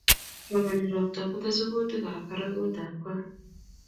Roboni ropta, butei sugutit barakutap kot